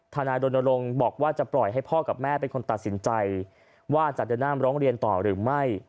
นายรณรงค์บอกว่าจะปล่อยให้พ่อกับแม่เป็นคนตัดสินใจว่าจะเดินหน้าร้องเรียนต่อหรือไม่